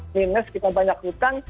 minus kita banyak hutang